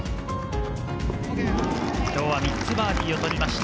今日は３つバーディーを取りました。